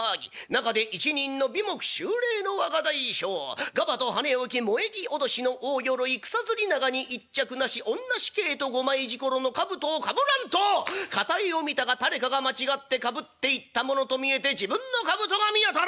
中で一人の眉目秀麗の若大将ガバと跳ね起き萌葱威の大鎧草摺長に一着なしおんなしけいと五枚錣の兜をかぶらんと傍を見たが誰かが間違ってかぶっていったものと見えて自分の兜が見当たらん。